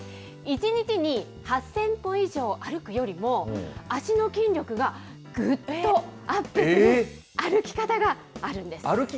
１日に８０００歩以上歩くよりも、足の筋力がぐっとアップする歩き方があるんです。